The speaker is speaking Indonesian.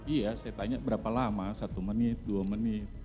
iya saya tanya berapa lama satu menit dua menit